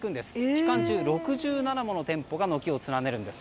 期間中６７もの店舗が軒を連ねるんです。